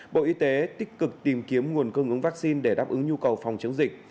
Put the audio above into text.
bộ y tế tích cực tìm kiếm nguồn cung ứng vaccine để đáp ứng nhu cầu phòng chống dịch